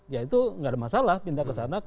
ya itu nggak ada masalah pindah ke sana